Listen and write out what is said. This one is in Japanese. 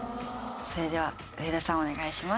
それでは上田さんお願いします。